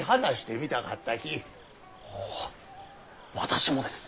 おぉ私もです。